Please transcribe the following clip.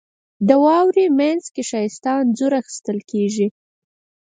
• د واورې مینځ کې ښایسته انځورونه اخیستل کېږي.